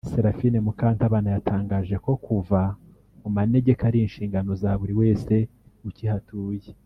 Seraphine Mukantabana yatangaje ko kuva mu manegeka ari inshingano za buri were ukihatuye